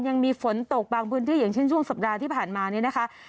ยังมีฝนตกบางพื้นที่อย่างเช่นช่วงสัปดาห์ที่ผ่านมาเนี่ยนะคะ